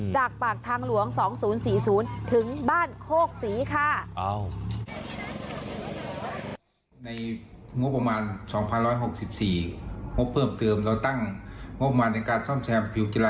จากปากทางหลวง๒๐๔๐ถึงบ้านโคกศรีค่ะ